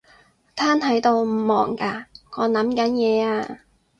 癱喺度唔忙㗎？我諗緊嘢呀